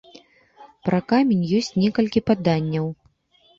Пра камень ёсць некалькі паданняў.